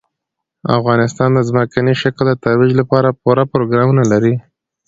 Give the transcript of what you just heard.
افغانستان د ځمکني شکل د ترویج لپاره پوره پروګرامونه لري.